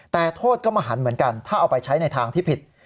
แต่โทษก็มหันเหมือนกันถ้าเอาไปใช้ในทางที่ผิด